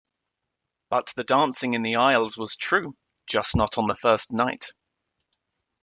But the dancing in the aisles was true, just not on the first night.